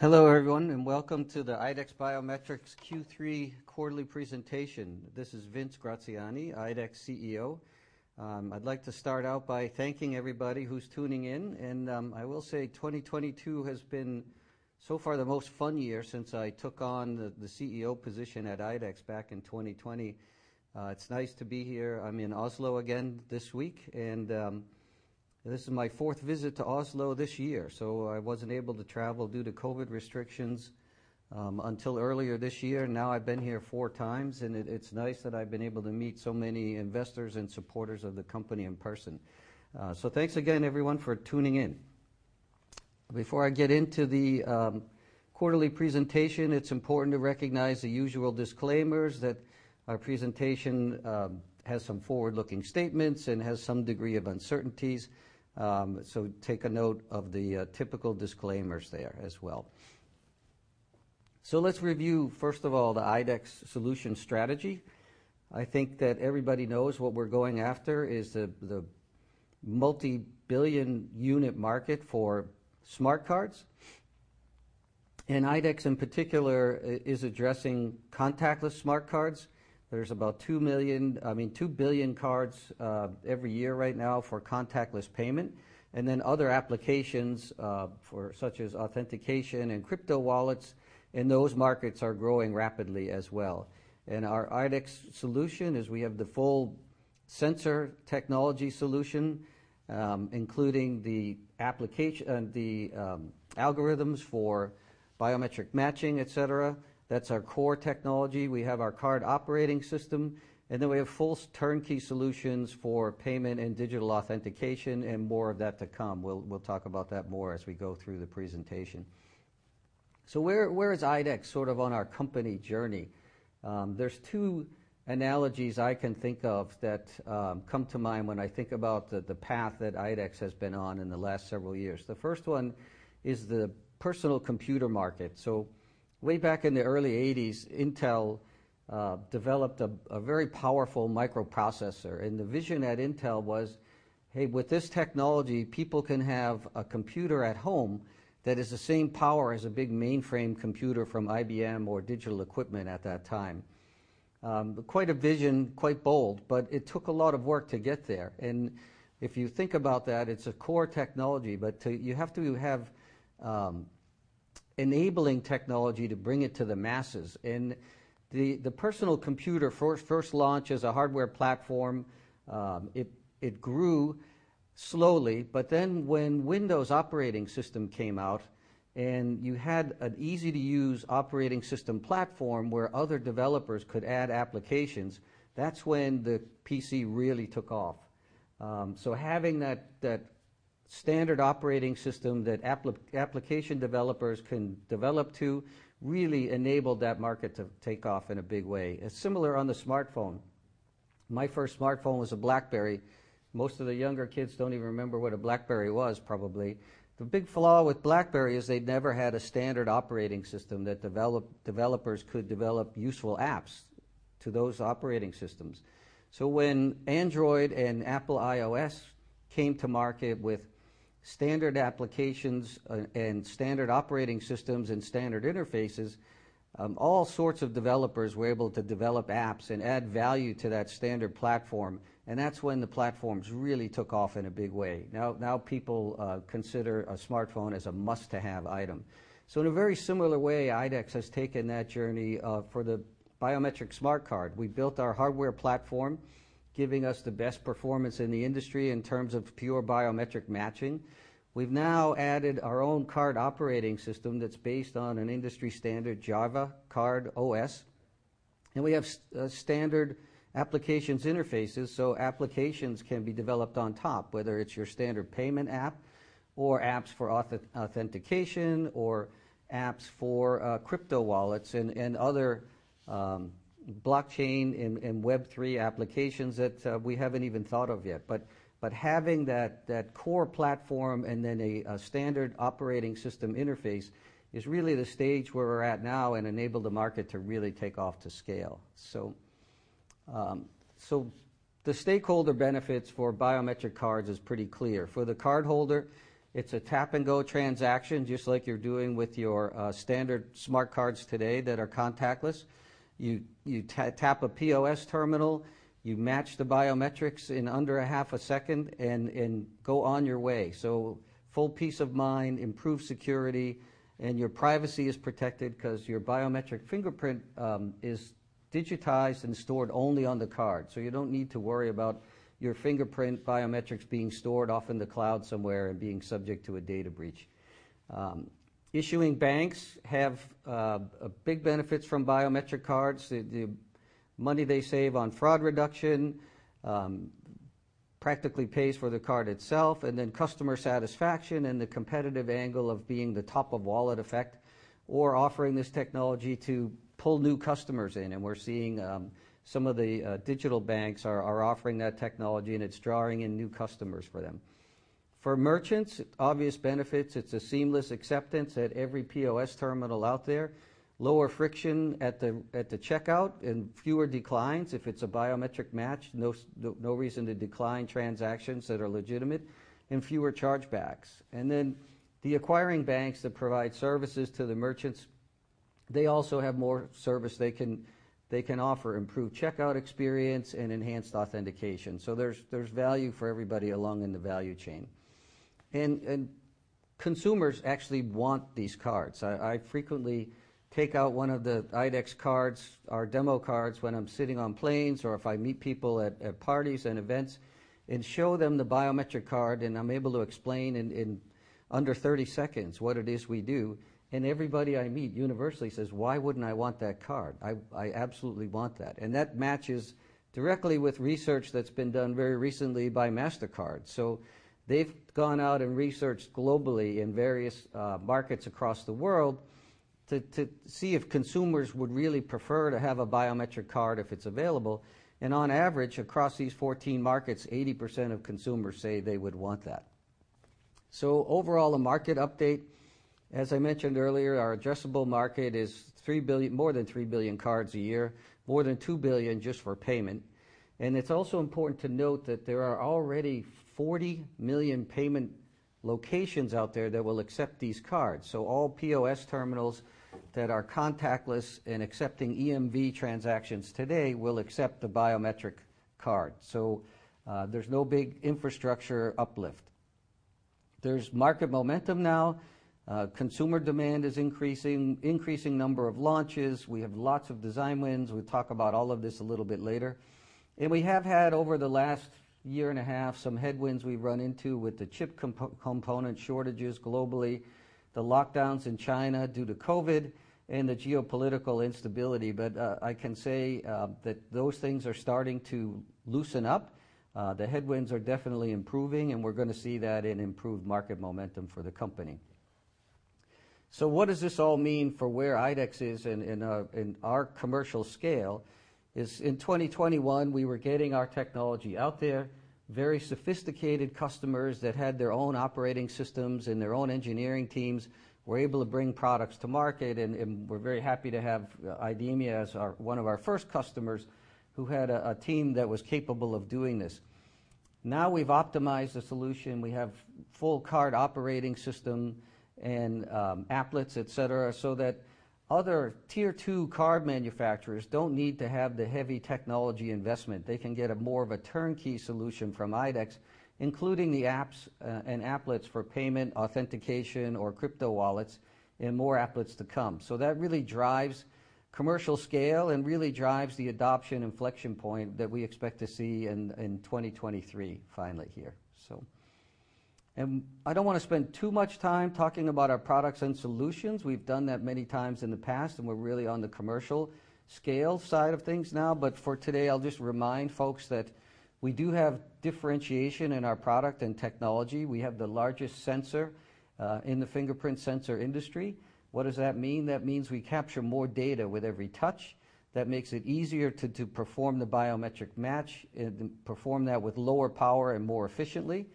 Hello, everyone, and welcome to the IDEX Biometrics Q3 quarterly presentation. This is Vince Graziani, IDEX CEO. I'd like to start out by thanking everybody who's tuning in, and I will say 2022 has been so far the most fun year since I took on the CEO position at IDEX back in 2020. It's nice to be here. I'm in Oslo again this week, and this is my fourth visit to Oslo this year, so I wasn't able to travel due to COVID restrictions until earlier this year. Now, I've been here four times, and it's nice that I've been able to meet so many investors and supporters of the company in person. So thanks again, everyone, for tuning in. Before I get into the quarterly presentation, it's important to recognize the usual disclaimers that our presentation has some forward-looking statements and has some degree of uncertainties. Take a note of the typical disclaimers there as well. Let's review, first of all, the IDEX solution strategy. I think that everybody knows what we're going after is the multi-billion unit market for smart cards. IDEX, in particular, is addressing contactless smart cards. There's about two million—I mean, 2 billion cards every year right now for contactless payment and then other applications for such as authentication and crypto wallets, and those markets are growing rapidly as well. Our IDEX solution is we have the full sensor technology solution, including the algorithms for biometric matching, et cetera. That's our core technology. We have our card operating system, and then we have full turnkey solutions for payment and digital authentication and more of that to come. We'll talk about that more as we go through the presentation. Where is IDEX sort of on our company journey? There's two analogies I can think of that come to mind when I think about the path that IDEX has been on in the last several years. The first one is the personal computer market. Way back in the early 1980s, Intel developed a very powerful microprocessor, and the vision at Intel was, hey, with this technology, people can have a computer at home that is the same power as a big mainframe computer from IBM or Digital Equipment Corporation at that time. Quite a vision, quite bold, but it took a lot of work to get there. If you think about that, it's a core technology, but you have to have enabling technology to bring it to the masses. The personal computer for first launch as a hardware platform, it grew slowly, but then when Windows operating system came out and you had an easy-to-use operating system platform where other developers could add applications, that's when the PC really took off. Having that standard operating system that application developers can develop to really enabled that market to take off in a big way. It's similar on the smartphone. My first smartphone was a BlackBerry. Most of the younger kids don't even remember what a BlackBerry was probably. The big flaw with BlackBerry is they never had a standard operating system that developers could develop useful apps to those operating systems. When Android and Apple iOS came to market with standard applications and standard operating systems and standard interfaces, all sorts of developers were able to develop apps and add value to that standard platform, and that's when the platforms really took off in a big way. Now people consider a smartphone as a must-have item. In a very similar way, IDEX has taken that journey for the biometric smart card. We built our hardware platform, giving us the best performance in the industry in terms of pure biometric matching. We've now added our own card operating system that's based on an industry-standard Java Card OS, and we have standard applications interfaces, so applications can be developed on top, whether it's your standard payment app or apps for authentication or apps for crypto wallets and other blockchain and Web3 applications that we haven't even thought of yet. Having that core platform and then a standard operating system interface is really the stage where we're at now and enable the market to really take off to scale. The stakeholder benefits for biometric cards is pretty clear. For the cardholder, it's a tap-and-go transaction, just like you're doing with your standard smart cards today that are contactless. You tap a POS terminal, you match the biometrics in under a half a second and go on your way. Full peace of mind, improved security, and your privacy is protected because your biometric fingerprint is digitized and stored only on the card. You don't need to worry about your fingerprint biometrics being stored off in the cloud somewhere and being subject to a data breach. Issuing banks have big benefits from biometric cards. The money they save on fraud reduction practically pays for the card itself, and then customer satisfaction and the competitive angle of being the top of wallet effect or offering this technology to pull new customers in. We're seeing some of the digital banks are offering that technology, and it's drawing in new customers for them. For merchants, obvious benefits, it's a seamless acceptance at every POS terminal out there, lower friction at the checkout and fewer declines if it's a biometric match. No reason to decline transactions that are legitimate and fewer chargebacks. The acquiring banks that provide services to the merchants. They also have more services they can offer improved checkout experience and enhanced authentication. There's value for everybody all along the value chain. Consumers actually want these cards. I frequently take out one of the IDEX cards, our demo cards, when I'm sitting on planes or if I meet people at parties and events, and show them the biometric card, and I'm able to explain in under 30 seconds what it is we do. Everybody I meet universally says, "Why wouldn't I want that card? I absolutely want that." That matches directly with research that's been done very recently by Mastercard. They've gone out and researched globally in various markets across the world to see if consumers would really prefer to have a biometric card if it's available. On average, across these 14 markets, 80% of consumers say they would want that. Overall, a market update, as I mentioned earlier, our addressable market is 3 billion, more than 3 billion cards a year, more than 2 billion just for payment. It's also important to note that there are already 40 million payment locations out there that will accept these cards. All POS terminals that are contactless and accepting EMV transactions today will accept the biometric card. There's no big infrastructure uplift. There's market momentum now. Consumer demand is increasing. Increasing number of launches. We'll talk about all of this a little bit later. We have had over the last year and a half some headwinds we've run into with the chip component shortages globally, the lockdowns in China due to COVID, and the geopolitical instability. I can say that those things are starting to loosen up. The headwinds are definitely improving, and we're gonna see that in improved market momentum for the company. What does this all mean for where IDEX is in our commercial scale is in 2021, we were getting our technology out there. Very sophisticated customers that had their own operating systems and their own engineering teams were able to bring products to market. We're very happy to have IDEMIA as our one of our first customers who had a team that was capable of doing this. Now we've optimized the solution. We have full card operating system and applets, et cetera, so that other tier two card manufacturers don't need to have the heavy technology investment. They can get more of a turnkey solution from IDEX, including the apps and applets for payment, authentication, or crypto wallets and more applets to come. That really drives commercial scale and really drives the adoption inflection point that we expect to see in 2023 finally here. I don't wanna spend too much time talking about our products and solutions. We've done that many times in the past, and we're really on the commercial scale side of things now. For today, I'll just remind folks that we do have differentiation in our product and technology. We have the largest sensor in the fingerprint sensor industry. What does that mean? That means we capture more data with every touch. That makes it easier to perform the biometric match and perform that with lower power and more efficiently.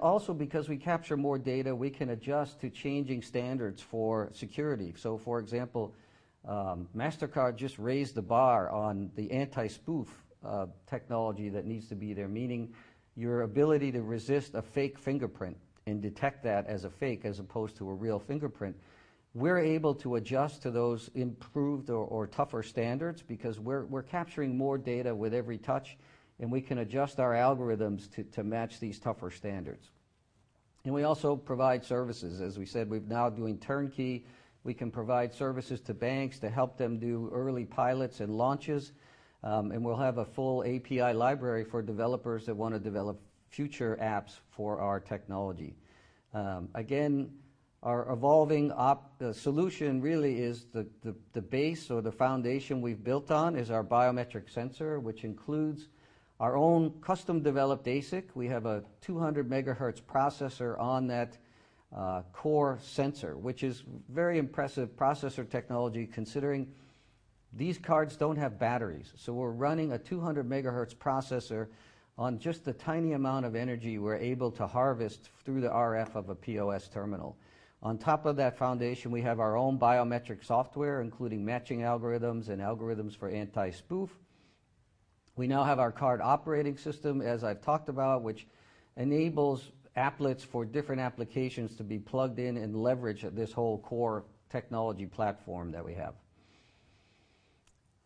Also, because we capture more data, we can adjust to changing standards for security. For example, Mastercard just raised the bar on the anti-spoof technology that needs to be there, meaning your ability to resist a fake fingerprint and detect that as a fake as opposed to a real fingerprint. We're able to adjust to those improved or tougher standards because we're capturing more data with every touch, and we can adjust our algorithms to match these tougher standards. We also provide services. As we said, we're now doing turnkey. We can provide services to banks to help them do early pilots and launches, and we'll have a full API library for developers that wanna develop future apps for our technology. Again, our evolving solution really is the base or the foundation we've built on is our biometric sensor, which includes our own custom-developed ASIC. We have a 200 MHz processor on that core sensor, which is very impressive processor technology considering these cards don't have batteries. We're running a 200 MHz processor on just the tiny amount of energy we're able to harvest through the RF of a POS terminal. On top of that foundation, we have our own biometric software, including matching algorithms and algorithms for anti-spoof. We now have our card operating system, as I've talked about, which enables applets for different applications to be plugged in and leverage this whole core technology platform that we have.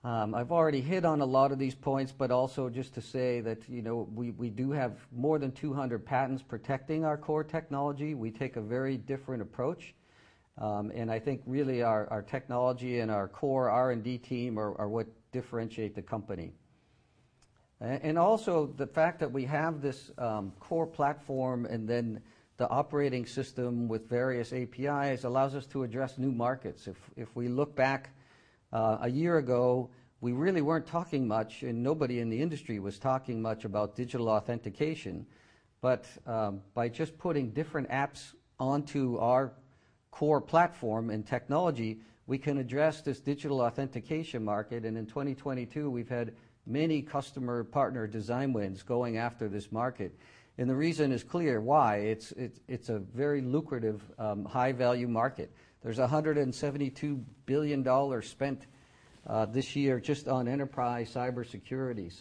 I've already hit on a lot of these points, but also just to say that, you know, we do have more than 200 patents protecting our core technology. We take a very different approach, and I think really our technology and our core R&D team are what differentiate the company. Also the fact that we have this core platform and then the operating system with various APIs allows us to address new markets. If we look back a year ago, we really weren't talking much, and nobody in the industry was talking much about digital authentication. By just putting different apps onto our core platform and technology, we can address this digital authentication market. In 2022, we've had many customer partner design wins going after this market. The reason is clear why. It's a very lucrative high-value market. There's $172 billion spent this year just on enterprise cybersecurity.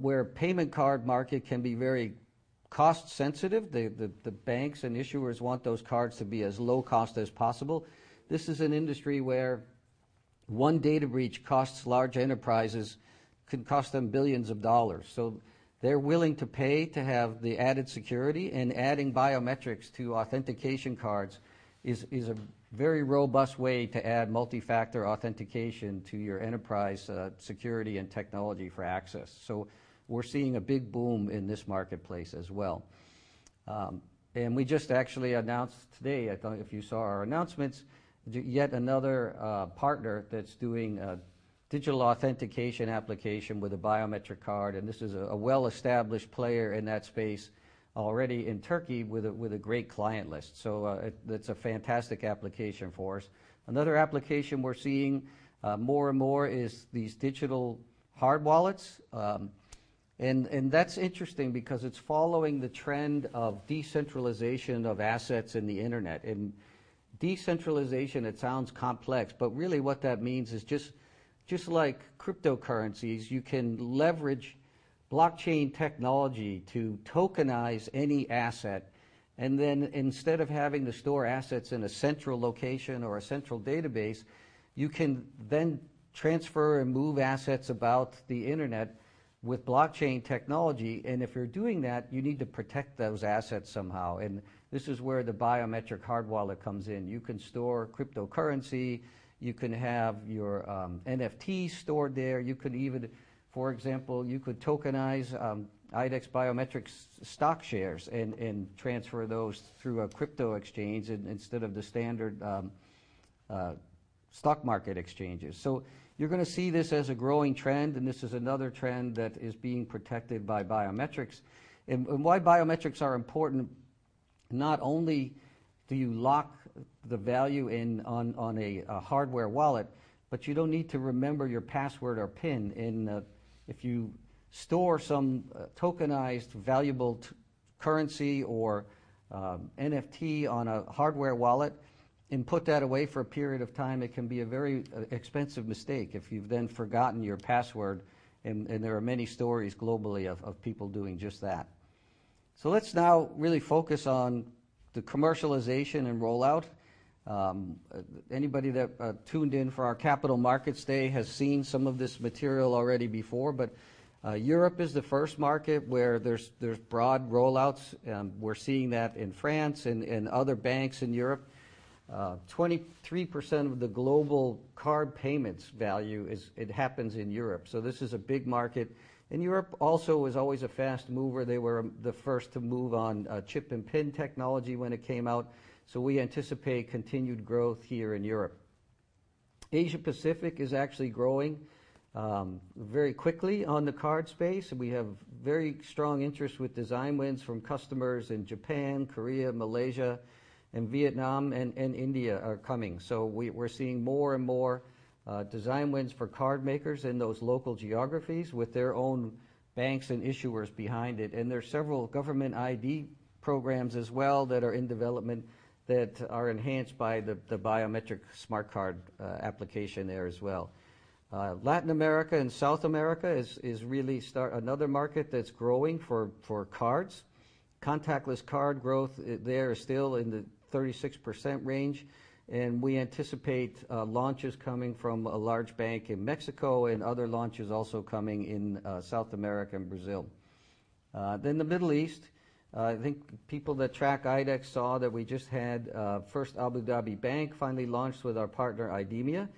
Where payment card market can be very cost sensitive, the banks and issuers want those cards to be as low cost as possible. This is an industry where one data breach can cost them billions of dollars. They're willing to pay to have the added security, and adding biometrics to authentication cards is a very robust way to add multi-factor authentication to your enterprise security and technology for access. We're seeing a big boom in this marketplace as well. We just actually announced today, I don't know if you saw our announcements, yet another partner that's doing a digital authentication application with a biometric card, and this is a well-established player in that space already in Turkey with a great client list. It's a fantastic application for us. Another application we're seeing more and more is these digital hard wallets. That's interesting because it's following the trend of decentralization of assets in the internet. Decentralization, it sounds complex, but really what that means is just like cryptocurrencies, you can leverage blockchain technology to tokenize any asset. Then instead of having to store assets in a central location or a central database, you can transfer and move assets about the internet with blockchain technology. If you're doing that, you need to protect those assets somehow. This is where the biometric hard wallet comes in. You can store cryptocurrency. You can have your NFT stored there. You could even, for example, tokenize IDEX Biometrics stock shares and transfer those through a crypto exchange instead of the standard stock market exchanges. You're gonna see this as a growing trend, and this is another trend that is being protected by biometrics. Why biometrics are important, not only do you lock the value in on a hardware wallet, but you don't need to remember your password or PIN. If you store some tokenized valuable crypto-currency or NFT on a hardware wallet and put that away for a period of time, it can be a very expensive mistake if you've then forgotten your password, and there are many stories globally of people doing just that. Let's now really focus on the commercialization and rollout. Anybody that tuned in for our Capital Markets Day has seen some of this material already before, but Europe is the first market where there's broad rollouts. We're seeing that in France and other banks in Europe. 23% of the global card payments value is. It happens in Europe. This is a big market. Europe also was always a fast mover. They were the first to move on chip and PIN technology when it came out. We anticipate continued growth here in Europe. Asia-Pacific is actually growing very quickly on the card space, and we have very strong interest with design wins from customers in Japan, Korea, Malaysia, and Vietnam and India are coming. We're seeing more and more design wins for card makers in those local geographies with their own banks and issuers behind it. There are several government ID programs as well that are in development that are enhanced by the biometric smart card application there as well. Latin America and South America is another market that's growing for cards. Contactless card growth there is still in the 36% range, and we anticipate launches coming from a large bank in Mexico and other launches also coming in South America and Brazil. The Middle East, I think people that track IDEX saw that we just had First Abu Dhabi Bank finally launched with our partner IDEMIA,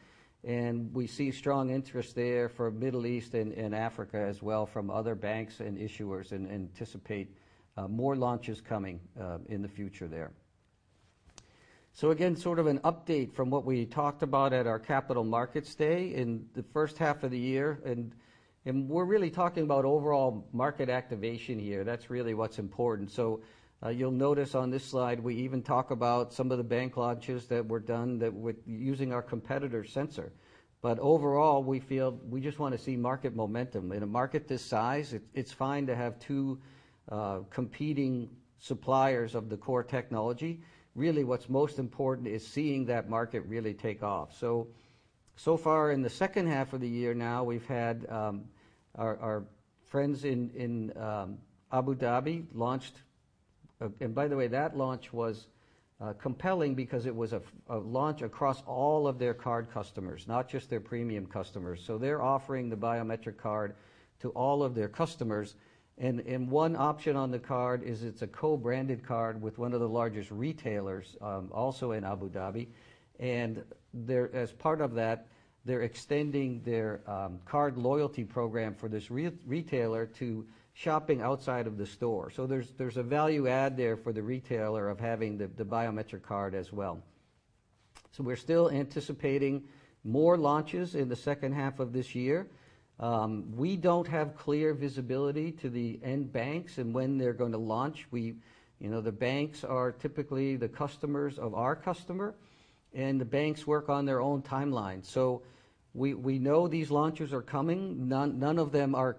and we see strong interest there for Middle East and Africa as well from other banks and issuers, and anticipate more launches coming in the future there. Again, sort of an update from what we talked about at our Capital Markets Day in the first half of the year, and we're really talking about overall market activation here. That's really what's important. You'll notice on this slide, we even talk about some of the bank launches that were done that were using our competitor's sensor. Overall, we feel we just wanna see market momentum. In a market this size, it's fine to have two competing suppliers of the core technology. Really, what's most important is seeing that market really take off. So far in the second half of the year now, we've had our friends in Abu Dhabi launched. By the way, that launch was compelling because it was a launch across all of their card customers, not just their premium customers. They're offering the biometric card to all of their customers. One option on the card is it's a co-branded card with one of the largest retailers also in Abu Dhabi. As part of that, they're extending their card loyalty program for this retailer to shopping outside of the store. There's a value add there for the retailer of having the biometric card as well. We're still anticipating more launches in the second half of this year. We don't have clear visibility to the end banks and when they're gonna launch. You know, the banks are typically the customers of our customer, and the banks work on their own timeline. We know these launches are coming. None of them are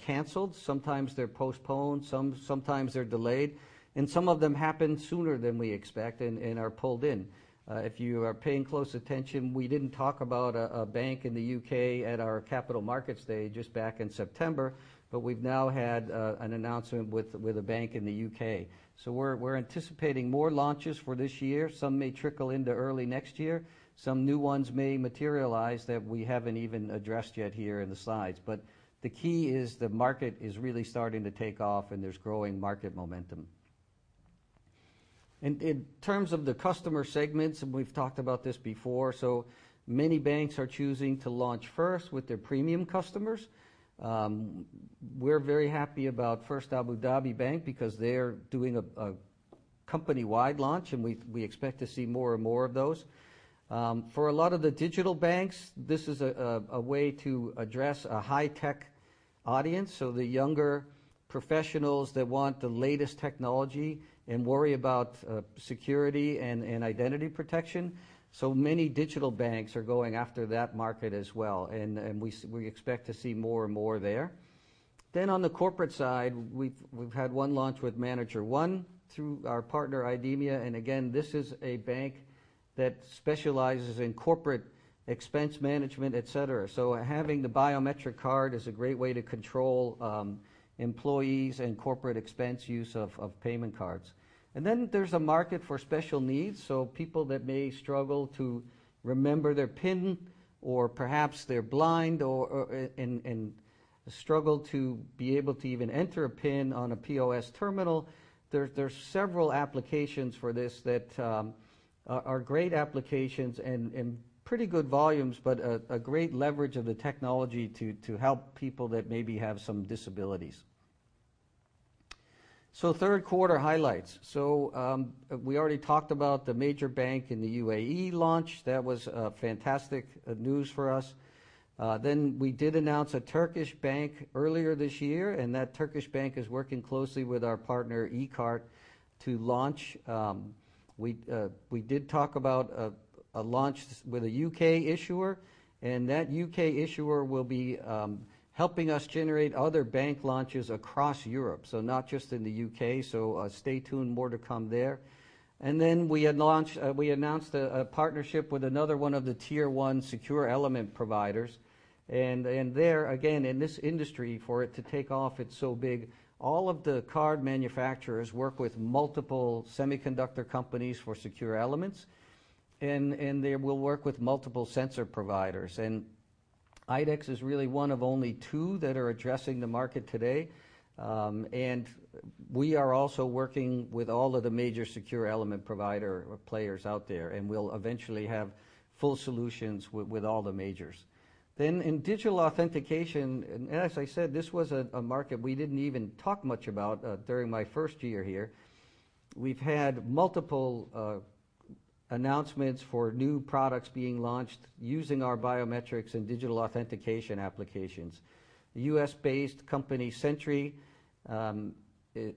canceled. Sometimes they're postponed, sometimes they're delayed, and some of them happen sooner than we expect and are pulled in. If you are paying close attention, we didn't talk about a bank in the U.K. at our Capital Markets Day just back in September, but we've now had an announcement with a bank in the U.K. We're anticipating more launches for this year. Some may trickle into early next year. Some new ones may materialize that we haven't even addressed yet here in the slides. The key is the market is really starting to take off, and there's growing market momentum. In terms of the customer segments, and we've talked about this before, so many banks are choosing to launch first with their premium customers. We're very happy about First Abu Dhabi Bank because they're doing a company-wide launch, and we expect to see more and more of those. For a lot of the digital banks, this is a way to address a high-tech audience, so the younger professionals that want the latest technology and worry about security and identity protection. Many digital banks are going after that market as well, and we expect to see more and more there. On the corporate side, we've had one launch with Manager.one through our partner IDEMIA, and again, this is a bank that specializes in corporate expense management, et cetera. Having the biometric card is a great way to control employees and corporate expense use of payment cards. There's a market for special needs, so people that may struggle to remember their PIN or perhaps they're blind and struggle to be able to even enter a PIN on a POS terminal. There's several applications for this that are great applications and pretty good volumes, but a great leverage of the technology to help people that maybe have some disabilities. Third quarter highlights. We already talked about the major bank in the UAE launch. That was fantastic news for us. We did announce a Turkish bank earlier this year, and that Turkish bank is working closely with our partner E-KART to launch. We did talk about a launch with a U.K. issuer, and that U.K. issuer will be helping us generate other bank launches across Europe, so not just in the U.K. Stay tuned. More to come there. We announced a partnership with another one of the tier one secure element providers. There, again, in this industry, for it to take off, it's so big, all of the card manufacturers work with multiple semiconductor companies for secure elements, and they will work with multiple sensor providers. IDEX is really one of only two that are addressing the market today. We are also working with all of the major secure element provider players out there, and we'll eventually have full solutions with all the majors. In digital authentication, as I said, this was a market we didn't even talk much about during my first year here. We've had multiple announcements for new products being launched using our biometrics and digital authentication applications. U.S.-based company Sentry Enterprises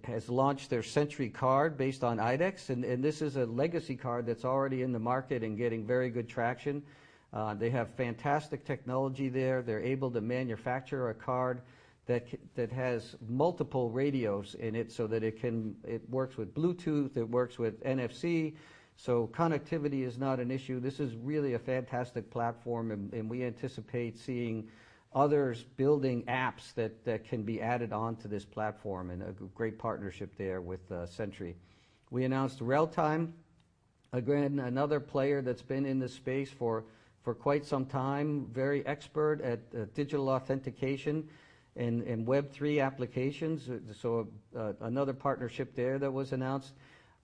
has launched their SentryCard based on IDEX, and this is a legacy card that's already in the market and getting very good traction. They have fantastic technology there. They're able to manufacture a card that has multiple radios in it so that it works with Bluetooth, it works with NFC, so connectivity is not an issue. This is really a fantastic platform and we anticipate seeing others building apps that can be added on to this platform, and a great partnership there with Sentry. We announced Realtime, again, another player that's been in this space for quite some time, very expert at digital authentication and Web3 applications. Another partnership there that was announced.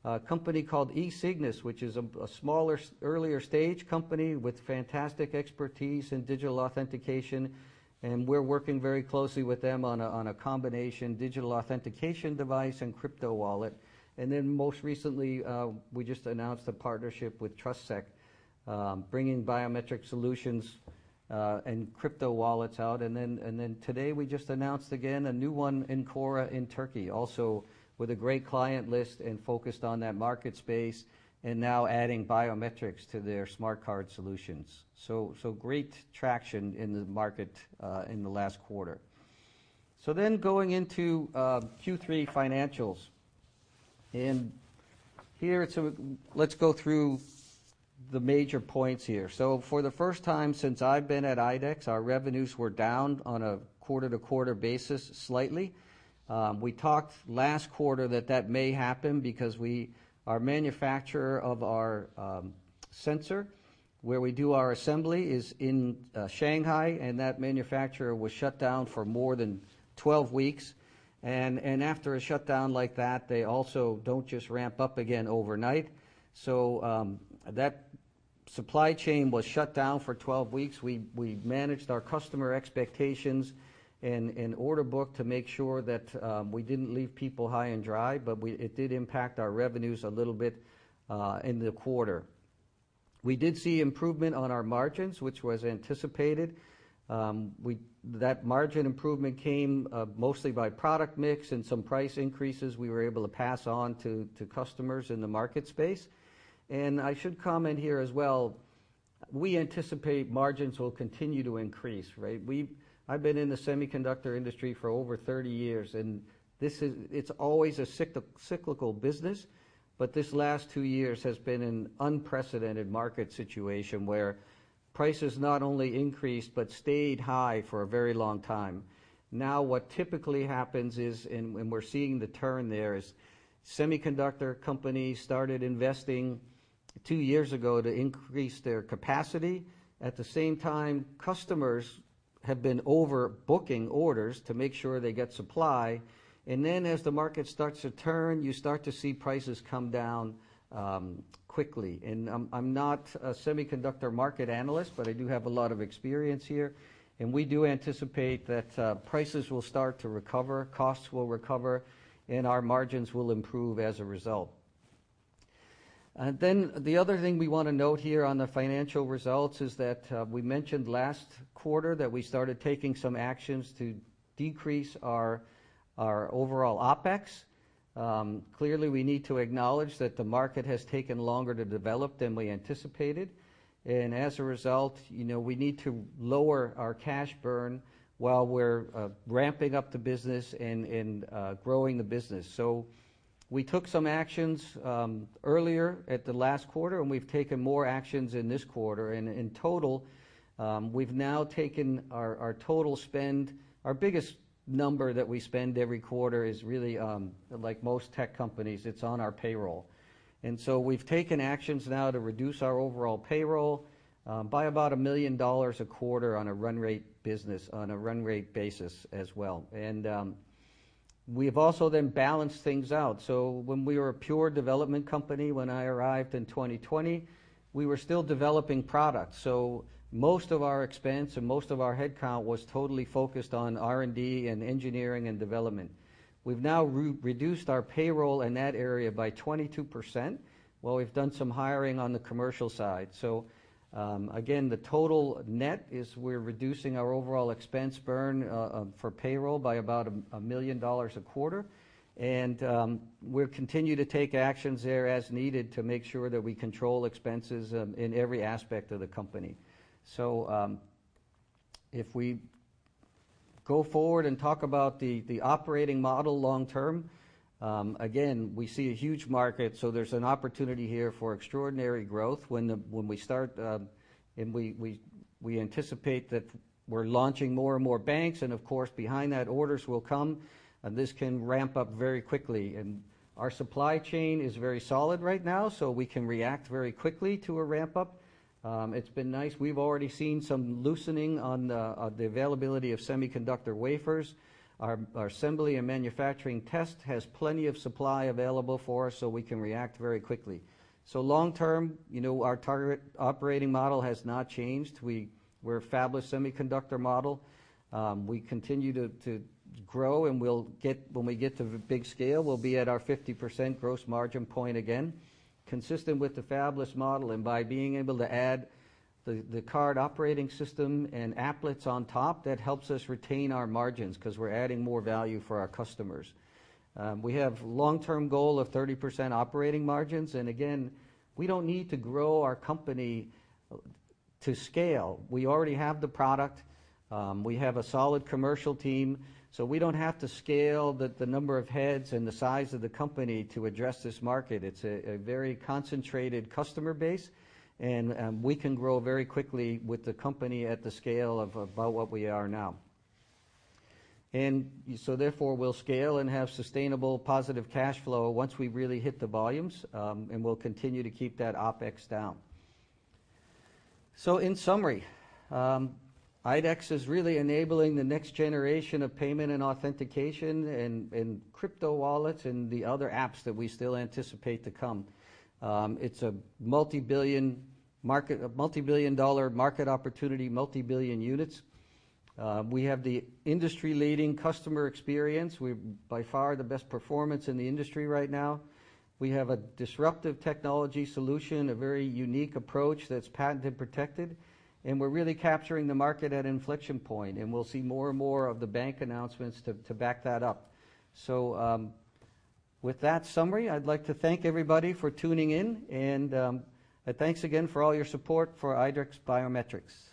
A company called eSignus, which is a smaller earlier stage company with fantastic expertise in digital authentication, and we're working very closely with them on a combination digital authentication device and crypto wallet. Then most recently, we just announced a partnership with TrustSEC, bringing biometric solutions and crypto wallets out. Today we just announced again a new one, İnnova, in Turkey, also with a great client list and focused on that market space and now adding biometrics to their smart card solutions. Great traction in the market in the last quarter. Going into Q3 financials. Here it's a. Let's go through the major points here. For the first time since I've been at IDEX, our revenues were down on a quarter-to-quarter basis slightly. We talked last quarter that may happen because our manufacturer of our sensor where we do our assembly is in Shanghai, and that manufacturer was shut down for more than 12 weeks. After a shutdown like that, they also don't just ramp up again overnight. That supply chain was shut down for 12 weeks. We managed our customer expectations and order book to make sure that we didn't leave people high and dry, but it did impact our revenues a little bit in the quarter. We did see improvement on our margins, which was anticipated. That margin improvement came mostly by product mix and some price increases we were able to pass on to customers in the market space. I should comment here as well, we anticipate margins will continue to increase, right? I've been in the semiconductor industry for over 30 years, and it's always a cyclical business, but this last two years has been an unprecedented market situation where prices not only increased, but stayed high for a very long time. Now, what typically happens is, we're seeing the turn there, is semiconductor companies started investing two years ago to increase their capacity. At the same time, customers have been overbooking orders to make sure they get supply. As the market starts to turn, you start to see prices come down quickly. I'm not a semiconductor market analyst, but I do have a lot of experience here. We do anticipate that prices will start to recover, costs will recover, and our margins will improve as a result. The other thing we wanna note here on the financial results is that we mentioned last quarter that we started taking some actions to decrease our overall OpEx. Clearly we need to acknowledge that the market has taken longer to develop than we anticipated. As a result, you know, we need to lower our cash burn while we're ramping up the business and growing the business. We took some actions earlier at the last quarter, and we've taken more actions in this quarter. In total, we've now taken our total spend. Our biggest number that we spend every quarter is really, like most tech companies, it's on our payroll. We've taken actions now to reduce our overall payroll by about $1 million a quarter on a run rate business, on a run rate basis as well. We've also then balanced things out. When we were a pure development company, when I arrived in 2020, we were still developing products. Most of our expense and most of our headcount was totally focused on R&D and engineering and development. We've now re-reduced our payroll in that area by 22%, while we've done some hiring on the commercial side. Again, the total net is we're reducing our overall expense burn for payroll by about $1 million a quarter. We'll continue to take actions there as needed to make sure that we control expenses in every aspect of the company. If we go forward and talk about the operating model long term, again, we see a huge market, so there's an opportunity here for extraordinary growth when we start. We anticipate that we're launching more and more banks, and of course, behind that orders will come, and this can ramp up very quickly. Our supply chain is very solid right now, so we can react very quickly to a ramp-up. It's been nice. We've already seen some loosening on the availability of semiconductor wafers. Our assembly and manufacturing test has plenty of supply available for us, so we can react very quickly. Long term, you know, our target operating model has not changed. We're a fabless semiconductor model. We continue to grow, and when we get to the big scale, we'll be at our 50% gross margin point again, consistent with the fabless model. By being able to add the card operating system and applets on top, that helps us retain our margins 'cause we're adding more value for our customers. We have long-term goal of 30% operating margins, and again, we don't need to grow our company to scale. We already have the product. We have a solid commercial team, so we don't have to scale the number of heads and the size of the company to address this market. It's a very concentrated customer base, and we can grow very quickly with the company at the scale of about what we are now. Therefore, we'll scale and have sustainable positive cash flow once we really hit the volumes, and we'll continue to keep that OpEx down. In summary, IDEX is really enabling the next generation of payment and authentication and crypto wallets and the other apps that we still anticipate to come. It's a multi-billion market, a multi-billion dollar market opportunity, multi-billion units. We have the industry-leading customer experience. We've by far the best performance in the industry right now. We have a disruptive technology solution, a very unique approach that's patented, protected, and we're really capturing the market at inflection point, and we'll see more and more of the bank announcements to back that up. With that summary, I'd like to thank everybody for tuning in, and thanks again for all your support for IDEX Biometrics.